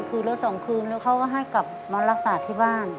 คือเหลือ๒คืนแล้วเขาก็ให้กลับมารักษาที่บ้าน